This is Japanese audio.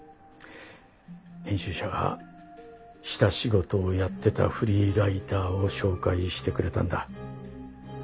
編集者が下仕事をやってたフリーライターを紹介してくれたんだ。